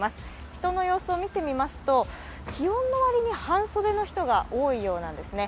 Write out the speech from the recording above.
人の様子を見てみますと、気温の割に半袖の人が多いようなんですね。